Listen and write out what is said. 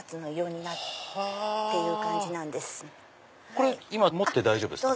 これ持って大丈夫ですか？